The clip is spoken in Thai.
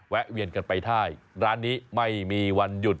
แวะเวียนกันไปท่ายร้านนี้ไม่มีวันหยุด